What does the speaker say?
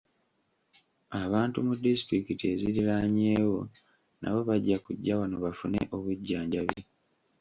Abantu mu disitulikiti eziriraanyeewo nabo bajja kujja wano bafune obujjanjabi.